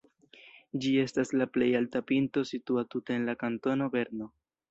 Ĝi estas la plej alta pinto situa tute en la kantono Berno.